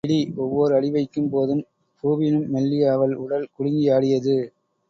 பிடி ஒவ்வோர் அடிவைக்கும் போதும் பூவினும் மெல்லிய அவள் உடல் குலுங்கி ஆடியது.